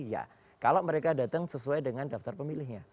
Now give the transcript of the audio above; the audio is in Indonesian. ya kalau mereka datang sesuai dengan daftar pemilihnya